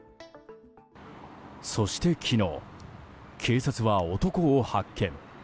そして昨日、警察は男を発見。